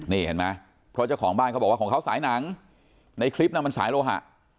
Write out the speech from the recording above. นี่เห็นไหมเพราะเจ้าของบ้านเขาบอกว่าของเขาสายหนังในคลิปน่ะมันสายโลหะ